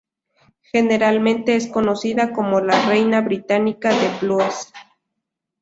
Generalmente es conocida como la "Reina Británica del Blues".